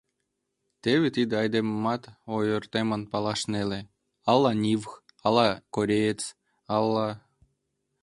Теве тиде айдемымат ойыртемын палаш неле: ала нивх, ала кореец, ала...